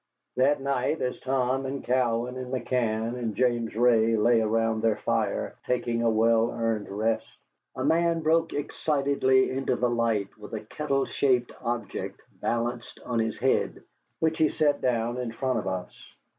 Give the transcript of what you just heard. That night, as Tom and Cowan and McCann and James Ray lay around their fire, taking a well earned rest, a man broke excitedly into the light with a kettle shaped object balanced on his head, which he set down in front of us.